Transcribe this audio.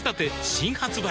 新発売